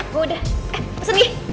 gue udah eh pesen deh